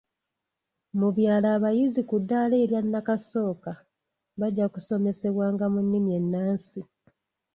Mu byalo abayizi ku ddaala erya nnakasooka bajja kusomesebwanga mu nnimi ennansi.